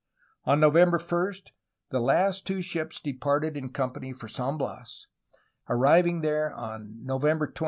On November 1st the two ships departed in company for San Bias, arriving there on November 20.